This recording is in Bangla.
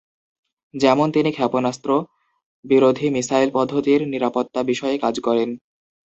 যেমন তিনি ক্ষেপণাস্ত্র-বিরোধী মিসাইল পদ্ধতির নিরাপত্তার বিষয়ে কাজ করেন।